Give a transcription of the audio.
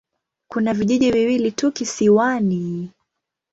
Kuna vijiji viwili tu kisiwani.